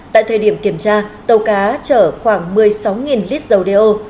tại thời điểm kiểm tra tàu cá chở khoảng một mươi sáu lít dầu đeo